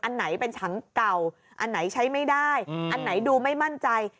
อันไหนเป็นถังเก่าอันไหนใช้ไม่ได้อันไหนดูไม่มั่นใจ